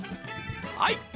はい。